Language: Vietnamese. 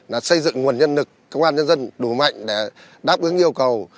là xây dựng nguồn nhân lực công an nhân dân đủ mạnh để đáp ứng yêu cầu